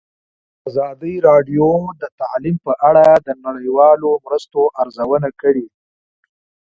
ازادي راډیو د تعلیم په اړه د نړیوالو مرستو ارزونه کړې.